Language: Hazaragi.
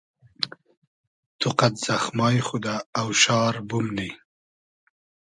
تو قئد زئخمای خو دۂ اۆشار بومنی